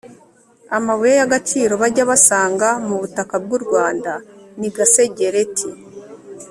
amabuye y'agaciro bajya basanga mu butaka bw'u rwanda ni gasegereti